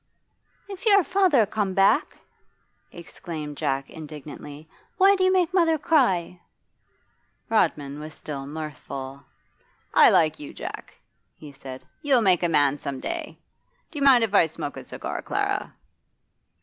'If you're father come back,' exclaimed Jack indignantly, 'why do you make mother cry?' Rodman was still mirthful. 'I like you, Jack,' he said. 'You'll make a man some day. Do you mind if I smoke a cigar, Clara?